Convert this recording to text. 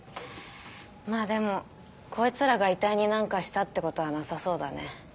まぁでもこいつらが遺体に何かしたってことはなさそうだね。